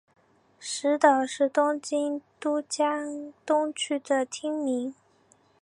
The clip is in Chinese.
石岛是东京都江东区的町名。